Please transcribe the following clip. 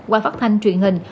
qua phát thanh truyền hình